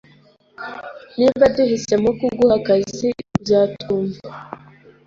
Niba duhisemo kuguha akazi, uzatwumva